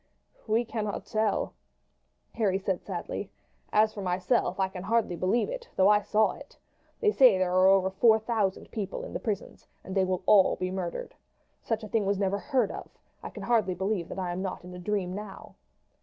"We cannot tell," Harry said sadly. "As for myself, I can hardly believe it, though I saw it. They say there are over four thousand people in the prisons, and they will all be murdered. Such a thing was never heard of. I can hardly believe that I am not in a dream now."